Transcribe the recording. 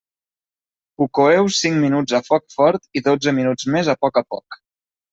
Ho coeu cinc minuts a foc fort i dotze minuts més a poc a poc.